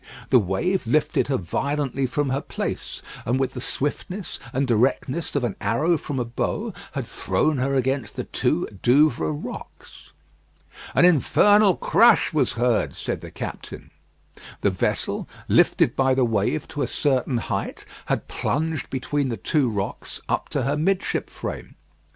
The wave lifted her violently from her place, and with the swiftness and directness of an arrow from a bow had thrown her against the two Douvres rocks. "An infernal crash was heard," said the captain. The vessel, lifted by the wave to a certain height, had plunged between the two rocks up to her midship frame.